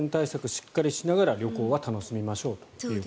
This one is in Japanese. しっかりしながら旅行は楽しみましょうと。